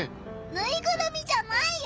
ぬいぐるみじゃないよ。